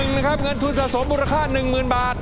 เพลงที่๑นะครับเงินทุนสะสมมูลค่า๑๐๐๐๐บาท